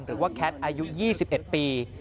หรือว่าแคทอายุ๒๑ปี